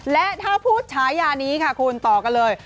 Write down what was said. และถ้าพูดฉายานี้ค่ะคุณต่อกันเลย